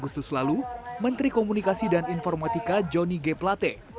agustus lalu menteri komunikasi dan informatika johnny g plate